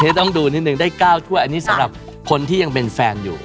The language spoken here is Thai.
จะต้องดูนิดนึงได้๙ถ้วยอันนี้สำหรับคนที่ยังเป็นแฟนอยู่